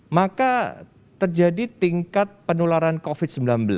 maka terjadi tingkat penularan covid sembilan belas